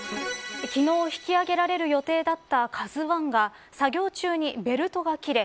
昨日引き揚げられる予定だったＫＡＺＵ１が作業中にベルトが切れ